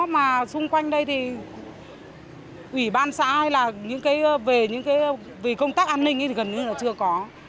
mà xung quanh đây thì ủy ban xã hay là về công tác an ninh thì gần như là chưa có